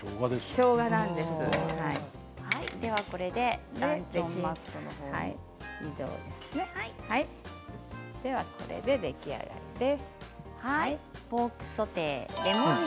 これで出来上がりです。